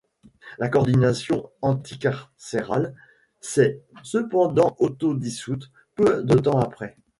La Coordination Anticarcérale s'est cependant autodissoute peu de temps après.